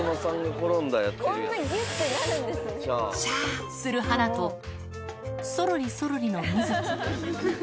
シャーするハナと、そろりそろりのミズキ。